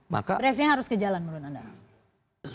reaksinya harus ke jalan menurut anda